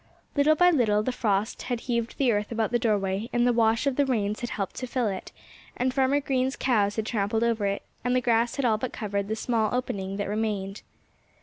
Little by little the frost had heaved the earth about the doorway, and the wash of the rains had helped to fill it, and Farmer Green's cows had trampled over it, and the grass had all but covered the small opening that remained.